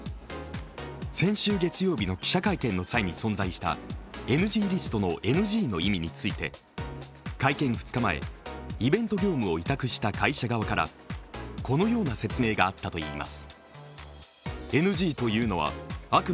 先週月曜日の記者会見の際に存在したＮＧリストのＮＧの意味について、会見２日前、イベント業務を委託した会社側から、このような説明があったといいます。